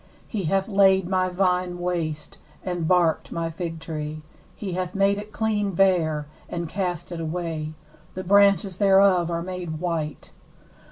7He hath laid my vine waste, and barked my fig tree: he hath made it clean bare, and cast it away; the branches thereof are made white.